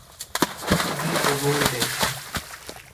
We need the raw data.